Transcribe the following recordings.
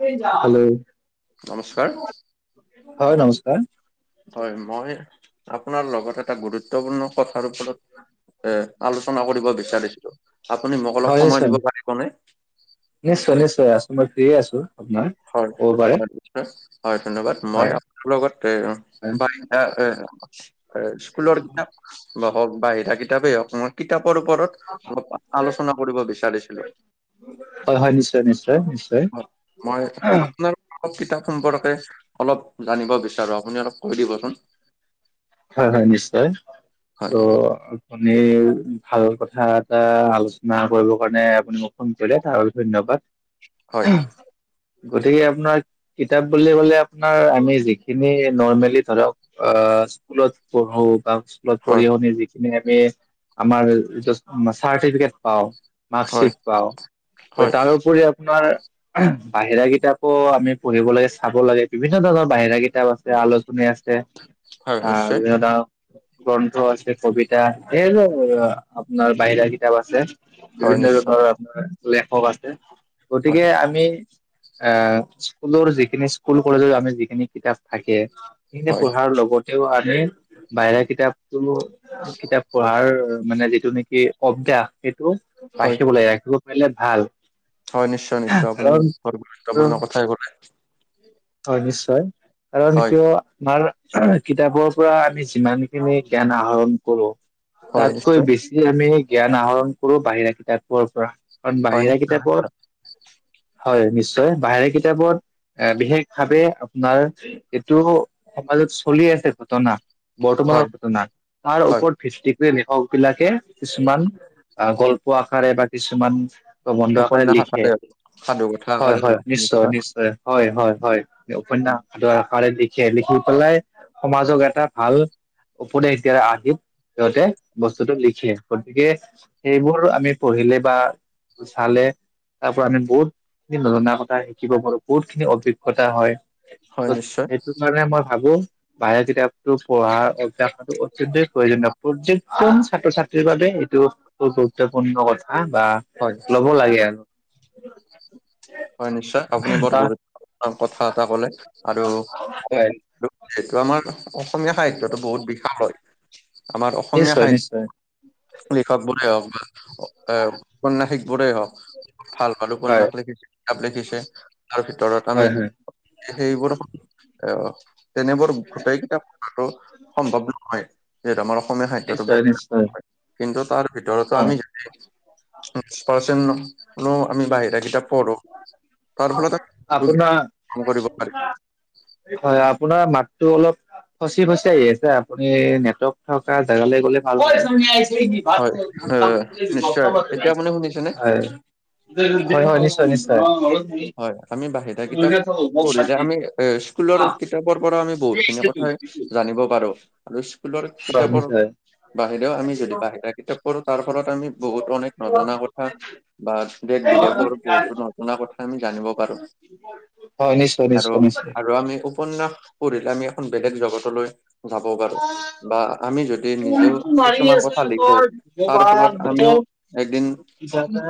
Hello, নমস্কাৰ হয় নমস্কাৰ। হয়, মই আপোনাৰ লগত, এটা গুৰুত্বপূৰ্ণ কথাৰ ওপৰত এ, আলোচনা কৰিব বিচাৰিছিলো। আপুনি মোক হয় অলপ সময় নিশ্চয় দিব পাৰিবনে? নিশ্চয়, নিশ্চয়, আছো মই ফ্ৰিয়ে আছো। আপোনাৰ হয়, ক'ব পাৰে হয়, নিশ্চয়। হয়, ধন্যবাদ মই হয় আপোনাৰ লগত, এ, বা, এ স্কুলৰ কিতাপ হওঁক, বাহিৰা কিতাপেই হ'ওক, মই কিতাপৰ ওপৰত অ, আলোচনা কৰিব বিচাৰিছিলো। হয়, হয়, নিশ্চয়, নিশ্চয়, নিশ্চয়। অ, কিতাপ সম্পৰ্কে অলপ জানিব বিচাৰো আপুনি অলপ কৈ দিবচোন। হয়, হয়, নিশ্চয়, ত, হয় আপুনি ভাল কথা এটা, আলোচনা কৰিবৰ কাৰণে, আপুনি মোক ফোন কৰিলে তাৰ ধন্যবাদ, হয় গতিকে আপোনাৰ কিতাপ বুলি ক'লে আপোনাৰ, আমি যিখিনি নৰ্মেলি ধৰক অ, স্কুলত পঢ়ো বা স্কুলত পঢ়ি হয় শুনি যিখিনি আমি আমাৰ, চাৰ্টিফিকেট পাওঁ। হয় মাৰ্কছিট পাওঁ, হয় তাৰোপৰি আপোনাৰ বাহিৰা কিতাপো আমি পঢ়িব লাগে চাব লাগে, বিভিন্ন ধৰণৰ বাহিৰা কিতাপ আছে, আলোচনী আছে। হয় নিশ্চয় [inaudible] গ্ৰন্থ আছে, কবিতা, এইযে আপোনাৰ বাহিৰা কিতাপ আছে। হয় বিভিন্ন নিশ্চয় ধৰনৰ আপোনাৰ লেখক আছে, গতিকে হয় আমি আহ, স্কুলৰ যিখিনি স্কুল কলেজত আমি যিখিনি কিতাপ থাকে, সেইখিনি হয় পঢ়াৰ লগত তেওঁ আমি, বাহিৰা কিতাপতো কিতাপ পঢ়াৰ মানে যিটো নেকি অভ্যাস, সেইটো হয়, পাইচটো ওলাই ৰাখিব পাৰিলে, ভাল। হয়, নিশ্চয়, নিশ্চয়, আপুনি কাৰণ ব, গুৰুত্বপূৰ্ণ কথাই ক'লে। হয় নিশ্চয়, কাৰণ হয়, কিয় আমাৰ কিতাপৰ পৰা আমি যিমান খিনি জ্ঞান আহৰণ কৰো, হয় তাতকৈ নিশ্চয়, বেছি আমি জ্ঞান আহৰণ কৰো, বাহিৰা কিতাপৰ পৰা, কাৰণ হয় নি- বাহিৰা কিতাপত হয় নিশ্চয়, বাহিৰা কিতাপত এ, বিশেষ ভাবে আপোনাৰ, এইটো সমাজত চলি আছে, ঘটনা। বৰ্তমানৰ হয় ঘটনা তাৰ হয় ওপত ভিষ্টিকৰ লিখক বিলাকে কিছুমান গল্প আকাৰে বা কিছুমান প্ৰবন্ধ আকাৰে উপন্যাস লিখে হওক, সাধু কথা হয় আকাৰে হয় হওক, নিশ্চয় নিশ্চয় হয় হয় হয় উপন্যস শুদ্ধ আকাৰে লিখে, লিখি পেলাই সমাজক এটা ভাল উপদেশ দিয়াৰ আৰ্হিত সিহঁতে বস্তুটো লিখে গতিকে সেইবোৰ আমি পঢ়িলে বা চালে তাৰ পৰা আমি বহুতখিনি নজনা কথা শিকিব পাৰো, বহুতখিনি অভি জ্ঞতা হয়। হয় নিশ্চয়। মানে মই ভাবো বাহেয়ত কিতাপটো পঢ়া অভ্যাসো অত্যন্তই প্ৰয়োজনীয়। প্ৰৰ্যেকজন ছাত্ৰ-ছাত্ৰীৰ বাবে এইটো খুব গুৰুত্বপূৰ্ণ কথা বা হয় ল'ব লাগে আৰু হয় নিশ্চয় আপুনি বৰ গুৰুত্বপূৰ্ণ কথা এটা কলে আৰু হয় যিহেটো আমাৰ অসমীয়া সাহিত্যটো বহুত বিশাল হয় আমাৰ অসমীয়া নিশ্চয় নিশ্চয় সাহিত্য লিখক বোৰে হওঁক বা এ উপন্যাসিক বোৰে হক ভাল পালো হয় উপন্যাস লিখি লিখিছে তাৰ ভিতৰত আমি হয় হয় সেইবোৰক অ তেনেবোৰ গোটেইকেইটা কৰাটো সম্ভৱ নহয় যিহেতটো আমাৰ অসমীয়া খাদ্যটো নিশ্চয় নিশ্চয় কিন্তু তাৰ ভিতৰতো হয় আমি যদি বিশ পৰ্চেন হলোঁ আমি বাহিৰা কিতাপ পঢ়ো তাৰ ফলত আমি আপোনা কাম কৰিব পাৰি হয় আপোনাৰ মাতটো অলপ ফচি ফচি আহি আছে আপুনি নেটৱৰ্ক থকা জেগালে গলে ভাল হব। হয়, হয় আহ নিশ্চয় এতিয়া আপুনি শুনিছেনে হয় হয় নিশ্চয় নিশ্চয় হয় আমি বাহিৰা কিতাপ পঢ়িলে আমি এ স্কুলৰ কিতাপৰ পৰা আমি বহুতখিনি কথাই জানিব পাৰোঁ আৰু স্কুলৰ হয় কিতাপৰ নিশ্চয় বাহিৰেও আমি যদি বাহিৰা কিতাপ পঢ়ো তাৰ ফলত আমি বহুত অনেক নজনা কথা বা দেশ-বিদেশৰ বহুতো নজনা কথা আমি জানিব পাৰো হয় নিশ্চয় আৰু নিশ্চয় নিশ্চয় আৰু আমি উপন্যাস পঢ়িলে আমি এখন বেলেগ জগতলৈ যাব পাৰো বা আমি যদি নিজেও কিছুমান কথা লিখো তাৰ ফলত আমিও এদিন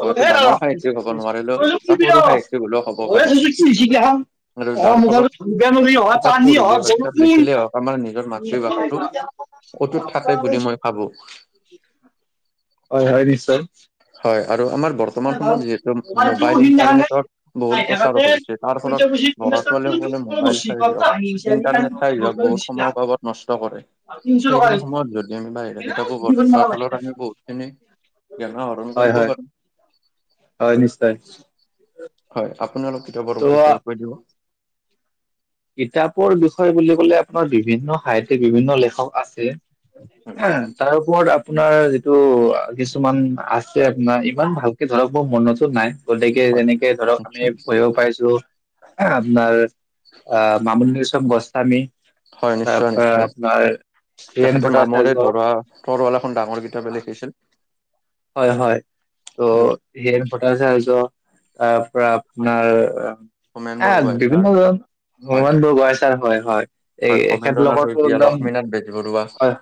হয়তো ডাঙৰ সাহিত্যিক হব নোৱাৰিলও সৰু সাহিত্যক হ'লেও হ'ব পাৰিম আৰু যাৰ ফলত কিতাপ পঢ়িলে বা কিতাপ লিখিলে হওঁক আমাৰ নিজৰ মাত তৃ ভাষাটো অতুত থাকে বুলি মই ভাবো হয় হয় নিশয় হয় আৰু আমাৰ বৰ্তমান সময়ত যিহেতু মোবাইল ইণ্টাৰনেটত বহুল প্ৰচাৰ হৈছে তাৰ ফলত ল'ৰা-ছোৱালীসকলে মোবাইল চাই জওক ইণ্টাৰনেট চাই জওক বহুত সময়ৰ অভাবত নষ্ট কৰে সেইখিনি সময়ত যদি আমি বাহিৰা কিতাপো পঢ়ো তাৰ ফলত আমি বহুত খিনি জ্ঞান আহৰণ হয় কৰিব হয় পাৰো হয় নিশ্চয় হয় আপোনালোক কিতাপৰ ত' বিষয়ে কৈ দিব কিতাপৰ বিষয়ে বুলি ক'লে আপোনাৰ বিভিন্ন সাহিত্যিক, বিভিন্ন লেখক আছে তাৰ ওপৰত আপোনাৰ যিটো কিছুমান আছে আপোনাৰ, ইমান ভালকে ধৰক মোৰ মনতো নাই। গতিকে, হয় যেনেকৈ ধৰক নিশ্চয় আমি পঢ়িব পাইছো আপোনাৰ আহ' মামণি ৰয়ছম গোস্বামী- হয় নিশ্চয় তাৰপৰা নিশ্চয়। আপোনাৰ হীৰেন তেখেতে মামৰে ভ্টাচাৰ্য। ধৰা 'তৰোৱাল' এখন ডাঙৰ কিতাপে লিখিছিল। হয় হয়। আৰু ত' হীৰেণ ভটাচাৰ্য তাৰপৰা হয় আপোনাৰ হোমেন এ বৰগোহাঁই বিভিন্ন ছাৰ হয় ধৰণৰ [unintelligible] হয় হয়, হয় ভবেন্দ্ৰ এখেতৰ নাথ লগতো শইকীয়া, একদম, লক্ষ্মীনাথ বেজবৰুৱা হয়,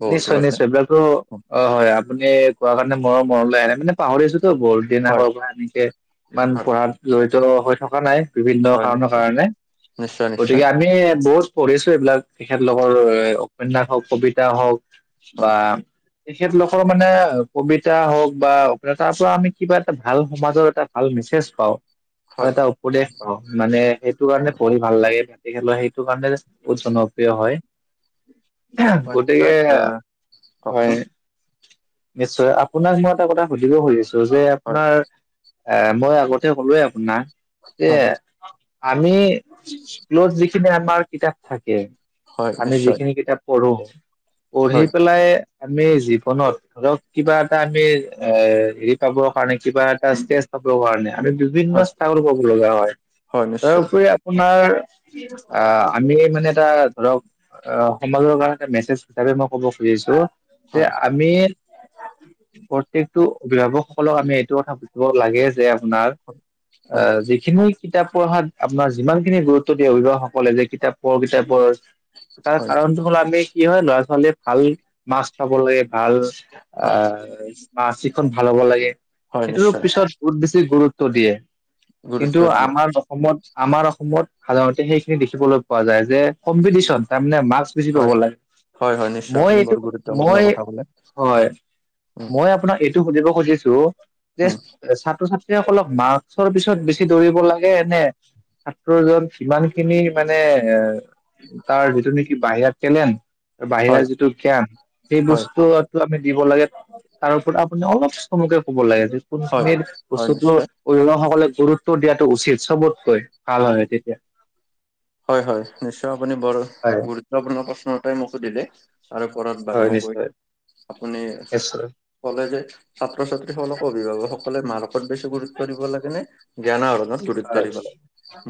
বহুতো নিশ্চয় আছে। নিশ্চয়- অ' অঁ' হয়, আপুনি কোৱা কাৰণে মোৰো মনলৈ আহে মানে পাহৰি আছো- টো বহু দিনৰ হয় আগৰ পৰা এনেকে ইমান হয় পঢ়াত জঢ়িত হৈ থকা নাই - বিভিন্ন হয় কাৰণৰ নিশ্চয় কাৰণে। নিশ্চয় নিশ্চয় গতিকে আমি বহুত পঢ়িছো এইবিলাক তেখেতলোকৰ এ উপন্যাস হওক, কবিতা হওক হয় বা তেখেতলোকৰ মানে কবিতা হওক বা তাৰপৰা আমি কিবা এটা ভাল সমাজৰ এটা ভাল মেছেজ পাওঁ। আৰু হয়। এটা উপদেশ পাওঁ। মানে সেইটো কাৰণে পঢ়ি ভাল লাগে। তেখেতৰ সেইটো কাৰণে বহুত জনপ্ৰিয় হয়। [unintelligible] হয় নিশ্চয় গতিকে, এ হয়। কওকচোন নিশ্চয়, আপোনাক মই এটা কথা সুধিব খুজিছো যে হয় আপোনাৰ এ মই আগতে কলোঁৱেই আপোনাক যে হয় আমি স্কুলত যিখিনি আমাৰ কিতাপ থাকে, হয় আমি নিশ্চয় যিখিনি কিতাপ পঢ়ো, পঢ়ি হয় পেলাই আমি জীৱনৰ- ধৰক কিবা এটা আমি এ হেৰি পাবৰ কাৰণে কিবা এটা ষ্টেজ পাবৰ কাৰণে আমি হয় [unintelligible] তেওঁলোকক [unintelligible] লগা হয়। হয় নিশ্চয় তাৰোপৰি আপোনাৰ আহ' আমি মানে এটা ধৰক অ' সমাজৰ কাৰনে মেছেজ হিচাপে মই ক'ব খুজিছো যে হয় আমি প্ৰত্যেকটো অভিভাৱকসকলক আমি এইটো কথা ক'ব লাগে যে আপোনাৰ হয় অ' যি [unintelligible] কিতাপ পঢ়াত আপোনাৰ যিমান খিনি গুৰুত্ব দিয়ে অভিভাৱকসকলে যে কিতাপ পঢ় কিতাপ পঢ়। তাৰ হয় কাৰণটো হ'ল আমি কি হয় ল'ৰা ছোৱালীয়ে ভাল মাৰ্কছ পাব লাগে ভাল হয় আহ' মাৰ্কচিটখন ভাল হ'ব লাগে। হয় সেইটোৰো নিশ্চয় পিছত বহুত বেছি গুৰুত্ব দিয়ে। গুৰুত্ব কিন্তু দিয়ে আমাৰ অসমত আমাৰ অসমত সাধাৰণতে সেইখিনি দেখিবলৈ পোৱা যায় যে কম্পিটিচন তাৰমানে মাৰ্কছ বেছি পাব হয় হয় হয় লাগে। নিশ্চয় আপুনি মই বৰ এইটো গুৰুত্বপূৰ্ণ মই কথা কলে হয়। উম মই আপোনাক এইটো সুধিব খুজিছো যে উম ছাত্ৰ ছাত্ৰী সকলক মাৰ্কছৰ পিছত বেছি দৌৰিব লাগে নে ছাত্ৰজন যিমান খিনি মানে এ তাৰ যিটো নেকি বাহিৰা টেলেণ্ট, বাহিৰা হয় যিটো জ্ঞান সেই হয় বস্তুটো এইটো আমি দিব লাগে, তাৰ ওপৰত আপুনি অলপ চমুকৈ ক'ব লাগে যে হয় কোনখিনিৰ হয় বস্তুতো নিশ্চয় অভিভাৱকসকলে গুৰুত্ব দিয়াটো উচিত চবতকৈ ভাল হয় তেতিয়া। হয় হয়, নিশ্চয়। আপুনি বৰ হয় গুৰুত্বপূৰ্ণ প্ৰশ্ন এটাই মোক সুধিলে। তাৰ ওপৰত বাৰু হয় মই কৰিম। নিশ্চয় আপুনি নিশ্চয় ক'লে যে ছাত্ৰ-ছাত্ৰীসকলক অভিভাৱকসকলে মাৰ্কত বেছি গুৰুত্ব দিব লাগে নে- জ্ঞান আহৰণত গুৰুত্ব হয় দিব লাগে।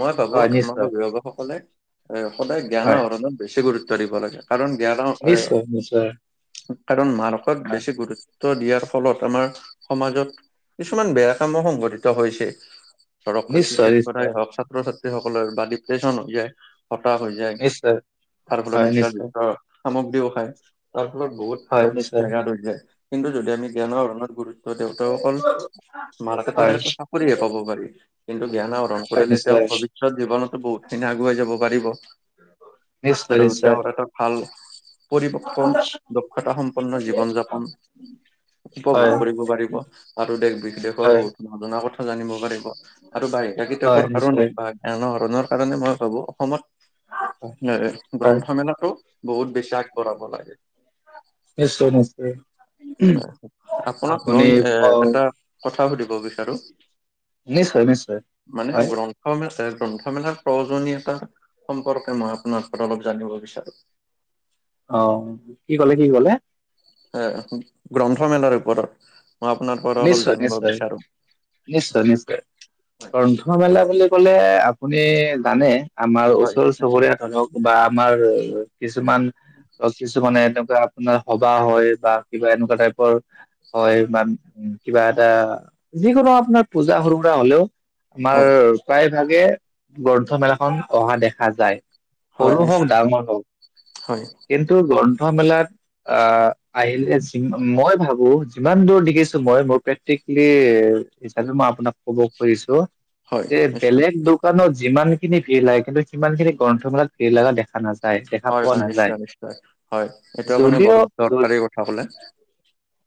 মই ভাবো হয় আমাৰ নিশ্চয় অভিভাৱক সকলে এ সদায় জ্ঞানৰ হয় আহৰণত বেছি গুৰুত্ব দিব লাগে। কাৰণ জ্ঞানৰ এই নিশ্চয় নিশ্চয় কাৰণ মাৰ্কত হয় বেছি গুৰুত্ব দিয়াৰ ফলত আমাৰ সমাজত কিছুমান বেয়া কামো সংঘটিত হৈছে। ধৰক নিশ্চয় ছুইচাইড কৰাই নিশ্চয় হওক ছাত্ৰ-ছাত্ৰীসকলৰ বা ডিপ্ৰেছন হৈ যায়। হতাশ হৈ যায়। নিশ্চয় তাৰফলত হয় নিশ্চয়, নিচাযুক্ত সামগ্ৰীবোৰ খায়। তাৰফলত বহুত হয় নিশ্চয়, ব্যাঘাত হৈ যায়। কিন্তু যদি আমি জ্ঞানৰ আহৰণত গুৰুত্ ত' দেউতাকসকল মাৰ্কেটত হয়, এটাত চাকৰিয়ে পাব পাৰি। কিন্তু জ্ঞান আহৰণ হয় কৰিলে তেওঁ নিশ্চয়। ভৱিষ্যত জীৱনতো বহুতখিনি আগুৱাই যাব পাৰিব। নিশ্চয় আৰু নিশ্চয়, তেওঁৰ এটা ভাল পৰিপক্ ক দক্ষতা সম্পন্ন জীৱন যাপন উপভোগ হয়, কৰিব পাৰিব আৰু দেশ বিদেশৰ হয়, বহুত নজনা কথা জানিব পাৰিব। আৰু বাহিৰা হয় কিতাপত আৰু নিশ্চয়, নেপায়। এনেধৰণৰ কাৰণে মই ভাৱোঁ অসমত এ হয়, গ্ৰন্থমেলাটো বহুত বিশ্বাস কৰাব লাগে। নিশ্চয় নিশ্চয়। হয়, আপোনাক আপুনি মই এ অ', এটা কথা সুধিব বিচাৰো। নিশ্চয় নিশ্চয়। মানে, হয়, গ্ৰন্থমে গ্ৰন্থমেলাক প্ৰয়োজনীয়তা সম্পৰ্কে মই আপোনাৰ পৰা অলপ জানিব বিচাৰো। অঁ কি কলে, কি কলে? এ এখন গ্ৰন্থমেলাৰ ওপৰত। মই আপোনাৰ প নিশ্চয়, নিশ্চয়। নিশ্চয়, নিশ্চয়। গ্ৰন্থমেলা বুলি ক'লে আপুনি জানে আমাৰ হয় ওচৰ-চুবুৰীয়া ধৰক বা আমাৰ কিছুমান ত' কিছুমানে এনেকুৱা আপোনাৰ সভা হয় বা কিবা এনেকুৱা টাইপৰ হয় মান কিবা এটা যিকোনো আপোনাৰ পূজা সৰু সুৰা হ'লেও আমাৰ হয় প্ৰায় ভাগে গ্ৰন্থমেলাখন অহা দেখা যায় হয় সৰু হওঁক, নিশ্চয় ডাঙৰ হওঁক। হয় কিন্তু গ্ৰন্থমেলাত আঁ--আহিলে চিনি পাম মই ভাৱোঁ, যিমান দূৰ দেখিছ দেখিছোঁ মই মোৰ প্ৰেক্টিকেলি হিচাপে মই আপোনাক ক'ব খুজিছো হয় যে নিশ্চয় বেলেগ দোকানত যিমান খিনি ভিৰ লাগে কিন্তু সিমান খিনি গ্ৰন্থমেলাত ভিৰ লগা দেখা নাযায়। দেখা হয়, পোৱা হয় নাযায় নিশ্চয় নিশ্চয়। হয়, এইটো আপুনি যদিও বহুত দৰকাৰী কথা ক'লে।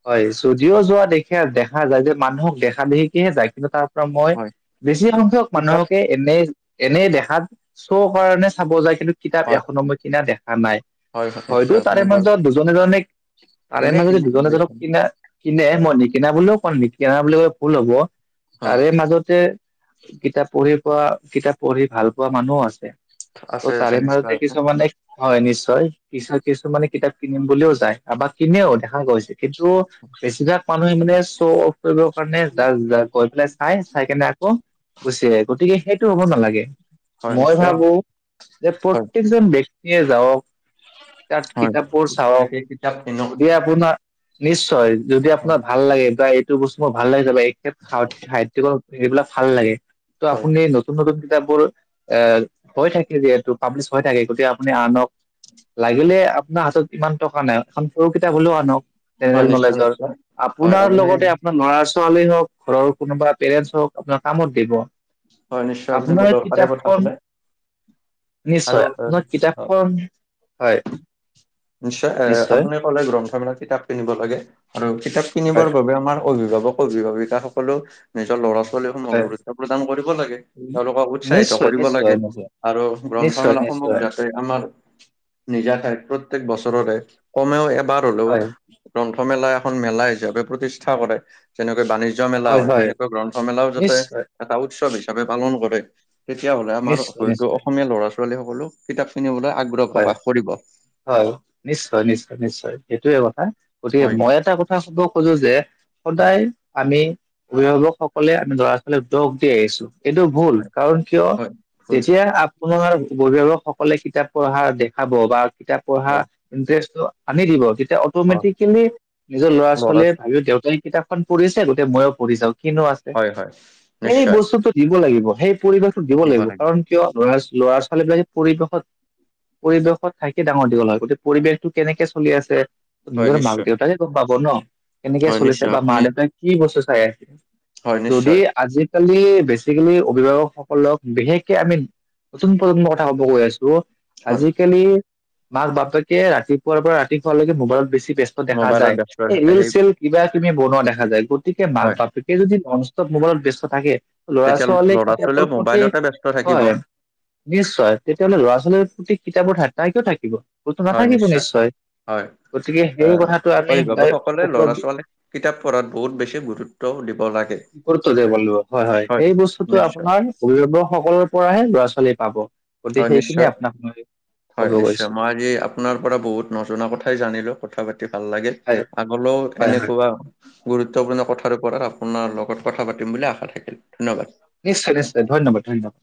হয়, যদিও যোৱা দেখে, দেখা যায় যে মানুহক দেখা দেখিকেহে যায় কিন্তু তাত ত ' মই হয় বেছি সংখ্যক কিতাপ মানুহকে- এনেই, এনেই দেখাত শ্ব' কাৰণে চাব যায়। কিন্তু কিতাপ হয় এখনো মই কিনা দেখা নাই। হয় হয় হয়তো নিশ্চয় তাৰে আপুনি বাৰু মাজত দুজন, এজনে, তাৰে কিনে মাজতে কিনে দুজন, দুই এজনক এখন কিনা কিনে। মই নিকিনা বুলিও কল নিকিনা বুলি ক'লেও ভুল হ'ব। হয় তাৰে মাজতে কিতাপ পঢ়ি পোৱা, কিতাপ পঢ়ি ভাল পোৱা মানুহো আছে। আছে ত' আছে তাৰে নিশ্চয় মাজতে আছে কিছুমানে হয়, নিশ্চয়। কিছু কিছুমানে কিতাপ কিনিম বুলিও যায়। তাৰপৰা কিনেও, দেখা গৈছে কিন্তু বেছিভাগ মানুহে মানে শ্ব' কৰিবৰ কাৰণে যা-যায়। গৈ পেলাই চাই, চাই কেনে আকৌ গুচি আহে। গতিকে, সেই টো হ'ব নালাগে। হয় মই নিশ্চয় ভাৱোঁ যে হয় প্ৰত্যেকজন ব্যক্তিয়ে যাওক তাত হয় কিতাপবোৰ চাওক, গতিকে কিতাপ কিনক যদি আপ আপোনাৰ নিশ্চয়, যদি উম, আপোনাৰ ভাল লাগে বা এইটো বস্তু মোৰ ভাল লাগিছে বা এই এই সাহত্ সাহিত্যিকৰ সেইবিলাক ভাল লাগে। ত' হয় আপুনি নতুন নতুন কিতাপবোৰ- এ হয় থাকে যিহেতু পাব্লিছ হৈ থাকে গতিকে আপুনি আনক লাগিলে আপোনাৰ হাতত ইমান টকা নাই এখন সৰু কিতাপ হলেওঁ আনক। হয়। জেনেৰেল নিশ্চয়, নলেজৰ নিশ্চয়। হয় আপোনাৰ আপুনি লগতে আপোনাৰ লৰা-ছোৱালী হওঁক ঘৰৰ কোনোবা পেৰেন্টছ হওঁক আপোনাৰ কামত দিব। হয় নিশ্চয় আপুনি বৰ আপোনাৰ দৰকাৰী কথা কিতাপখন ক'লে আৰু নিশ্চয়। অ, আপোনাৰ অ, কিতাপখন, হয়। নিশ্চয়। এ আপুনি কলে গ্ৰন্থমেলাত কিতাপ কিনিব লাগে আৰু কিতাপ কিনিবৰ হয় বাবে আমাৰ অভিভাৱক অভিভাৱিকা সকলো নিজৰ ল'ৰা ছ ৱালীসমূহক হয় গুৰুত্ব প্ৰদান কৰিব লাগে, তেওঁলোকক উৎসাহিত নিশ্চয় কৰিব নিশ্চয় লাগে। নিশ্চয় আৰু নিশ্চয় গ্ৰন্থমেলাসমূহ নিশ্চয় যাতে আমাৰ নিজা ঠাইত প্ৰত্যেক বছৰৰে কমেও এবাৰ হলেওঁ হয় গ্ৰন্থমেলা এখন মেলা হিচাপে প্ৰতিষ্ঠা কৰে, যেনেকৈ বাণিজ্য মেলা হয় তেনেকৈ গ্ৰন্থমেলাও যাতে নিশ্চয় এটা উৎসৱ হিচাপে পালন কৰে। তেতিয়া হ'লে আমাৰ নিশ্চয় হয়তো নিশ্চয় অসমীয়া ল'ৰা ছোৱালী সকলেও কিতাপ কিনিবলৈ আগ্ৰহ হয় প্ৰকাশ কৰিব। হয়, নিশ্চয় নিশ্চয় নিশ্চয় সেইটোয়ে কথা। গতিকে হয় মই এটা কথা কব খোজো যে সদায় আমি অভিভাৱক সকলে আমি লৰা ছোৱালী দোষ দি আহিছো। এইটো ভুল। হয় কাৰণ কিয় হয়, ভুল যেতিয়া আপোনাৰ অভিভাৱক সকলে কিতাপ পঢ়া দেখাব বা কিতাপ পঢ়াৰ হয়, ইণ্টাৰেষ্টটো আনি দিব তেতিয়া হয়, অট'মেটিকেলি নিজৰ ল'ৰাৰ ল'ৰা-ছোৱালীয়ে ভাবিব, দেউতাই কিতাপখন পঢ়িছে গতিকে মইও পঢ়ি চাওঁ কিনো আছে। হয়, হয়, সেই নিশ্চয় বস্তুটো দিব লাগিব সেই পৰিৱেশটো দিব লাগিব। কাৰণ কিয় ল'ৰা ল'ৰা-ছোৱালী বিলাকে পৰিৱেশত পৰিৱেশত থাকি ডাঙৰ দীঘল হয়। গতিকে পৰিৱেশটো কেনেকে চলি আছে হয়, নিজৰ মাক নিশ্চয়, দেউতা কে গ'ম পাব ন', কেনেকে হয়, চলিছে নিশ্চয় বা মা আপুনি দেউতাই কি বস্তু চাই আছে। হয়, যদি নিশ্চয় আজি কালি বেচিকেলি অভিভাৱক সকলক বিশেষকে আমি নতুন প্ৰজন্ম কথা কব গৈ আছো হয়, আজিকালি মাক বাপেকে ৰাতিপুৱাৰ পৰা ৰাতি শোৱালৈকে মোবাইলত বেছি ব্যস্ত দেখা মোবাইলত যায় ব্যস্ত এই থাকে এ' সেই চেল কিবা কিবি বনোৱা দেখা যায়, গতিকে মাক হয়, বাপেকে যদি ননষ্টপ মোবাইলত ব্যস্ত থাকে ল'ৰা তেতিয়া ছোৱালী কিতাপৰ ল'ৰা-ছোৱালীয়েও প্ৰতি মোবাইলতে ব্যস্ত থাকিব। হয় নিশ্চয়। তেতিয়াহ'লে ল'ৰা ছোৱালীৰ প্ৰতি কিতাপৰ ধান্দা কিয় থাকিব? ক'তো নথাকিব নিশ্চয়। হয়, গতিকে সেই কথাটো আমি সদায় অভিভাৱক সকলে ওপৰত ল'ৰা ছোৱালী কিতাপ পঢ়াত বহুত বেছি গুৰুত্ব দিব লাগিব হয়, হয়, এই বস্তুটো নিশ্চয়, আপোনাৰ অভিভাৱক সকলৰ পৰাহে ল'ৰা ছোৱালী পাব, গতিকে হয়, নিশ্চয় সেইখিনিয়ে আপোনাক মই হয় কব নিশ্চয়। গৈছো। মই আজি আপোনাৰ পৰা বহুত নজনা কথাই জানিলো, কথা পাতি ভাল লাগিল। হয় আগলৈও হয় হয় এনেকুৱা গুৰুত্বপূৰ্ণ কথাৰ ওপৰত আপোনাৰ লগত কথা পাতিম বুলি আশা থাকিল ধন্যবাদ। নিশ্চয় নিশ্চয় ধন্যবাদ ধন্যবাদ।